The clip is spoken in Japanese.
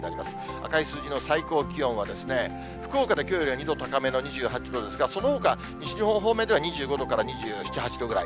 赤い数字の最高気温は、福岡できょうより２度高めの２８度ですが、そのほか西日本方面では２６度から２７、８度ぐらい。